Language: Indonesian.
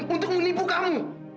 untuk menipu kamu